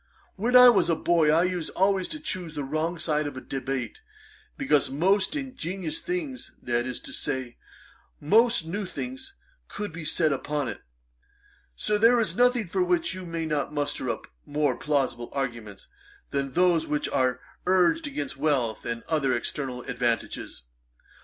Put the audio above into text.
When I was a boy, I used always to choose the wrong side of a debate, because most ingenious things, that is to say, most new things, could be said upon it. Sir, there is nothing for which you may not muster up more plausible arguments, than those which are urged against wealth and other external advantages.